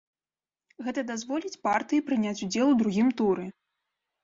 Гэта дазволіць партыі прыняць удзел у другім туры.